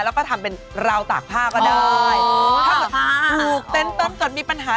แล้วก็ทำเป็นราวตากผ้าก็ได้ถ้าเกิดถูกเต้นต้มจนมีปัญหา